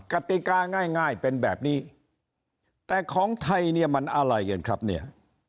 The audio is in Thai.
กติกาง่ายเป็นแบบนี้แต่ของไทยเนี่ยมันอะไรกันครับเนี่ย